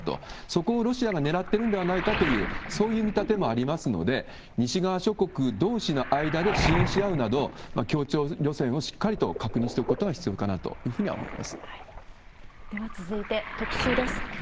そこをロシアが狙ってるんではないかという、そういう見立てもありますので、西側諸国どうしの間で支援し合うなど、協調路線をしっかりと確認しておくことが必要かなというふうにはでは続いて、特集です。